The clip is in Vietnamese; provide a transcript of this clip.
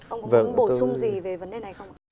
ông có muốn bổ sung gì về vấn đề này không ạ